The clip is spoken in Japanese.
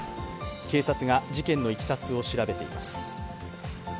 警察が事件のいきさつを調べています。